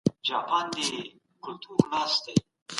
لوړه عرضه باید په بازار کي جذب سي.